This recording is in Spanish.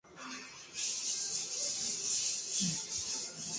Más tarde ese mes, el príncipe accedió a hacer concesiones.